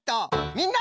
みんな！